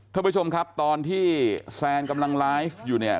ท่านผู้ชมครับตอนที่แซนกำลังไลฟ์อยู่เนี่ย